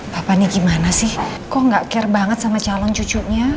papannya gimana sih kok gak care banget sama calon cucunya